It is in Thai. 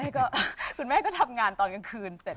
ก็คุณแม่ก็ทำงานตอนกลางคืนเสร็จ